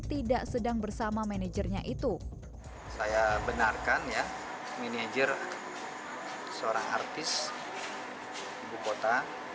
tidak sedang bersama manajernya itu saya benarkan ya manajer seorang artis ibu kota